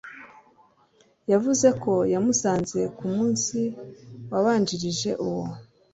yavuze ko yamusanze ku munsi wabanjirije uwo